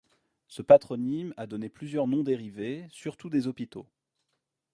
Ce patronyme a donné plusieurs noms dérivés, surtout des hôpitaux.